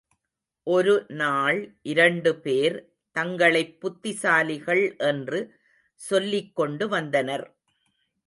ஒருநாள் இரண்டு பேர் தங்களைப் புத்திசாலிகள் என்று சொல்லிக்கொண்டு வந்தனர்.